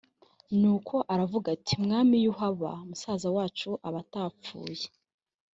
nuko aravuga ati “mwami iyo uhaba musaza wacu aba atapfuye”